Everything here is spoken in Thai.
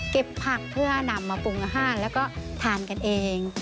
เก็บผักเพื่อนำมาปรุงอาหารแล้วก็ทานกันเอง